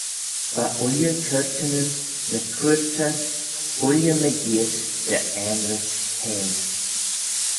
Va ooilley curtanyn ny cooyrtey ooilley mygeayrt dy aanrit keyl.